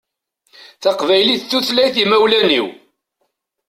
Taqbaylit d tutlayt n imawlan-iw.